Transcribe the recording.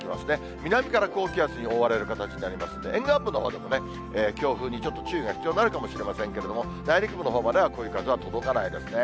南から高気圧に覆われる形になりますんで、沿岸部のほうでも強風にちょっと、注意が必要になるかもしれませんけれども、内陸部のほうまではこういう風は届かないですね。